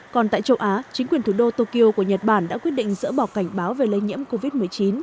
còn tại châu á chính quyền thủ đô tokyo của nhật bản đã quyết định dỡ bỏ cảnh báo về lây nhiễm covid một mươi chín